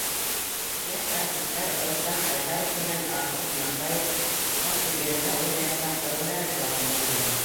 Йәш артистар Руслан Хайсаров менән Артур Ҡунаҡбаев ижад миҙгелендә уйнаясаҡ ролдәре тураһында һөйләне.